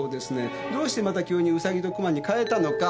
どうしてまた急にウサギとクマに変えたのか。